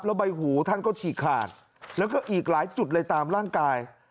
แล้วใบหูท่านก็ฉีกขาดแล้วก็อีกหลายจุดเลยตามร่างกาย